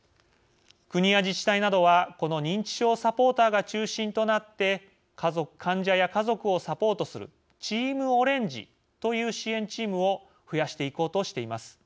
国や自治体などはこの認知症サポーターが中心となって患者や家族をサポートするチームオレンジという支援チームを増やしていこうとしています。